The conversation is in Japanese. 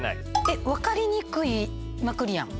えっ分かりにくいまくりやん。